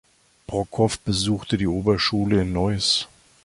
Brockhoff besuchte die Oberschule in Neuss.